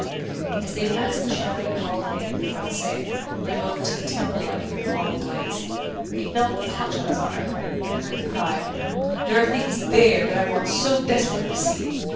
As they passed the shadowy colonnade of the Francais, remote and temple like in the paling lights, he felt a clutch on his arm, and heard the cry: "There are things THERE that I want so desperately to see!"